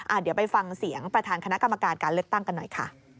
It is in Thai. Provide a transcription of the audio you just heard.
เดี๋ยวไปฟังเสียงประธานคณะกรรมการการเลือกตั้งกันหน่อยค่ะ